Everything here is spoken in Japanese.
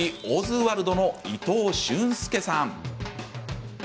オズワルドの伊藤俊介さん。